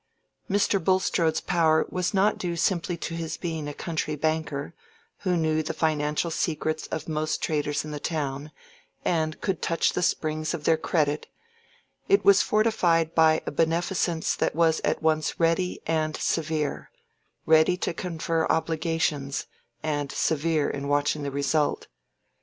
Mr. Bulstrode's power was not due simply to his being a country banker, who knew the financial secrets of most traders in the town and could touch the springs of their credit; it was fortified by a beneficence that was at once ready and severe—ready to confer obligations, and severe in watching the result.